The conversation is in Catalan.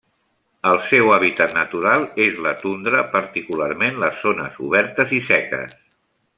El seu hàbitat natural és la tundra, particularment les zones obertes i seques.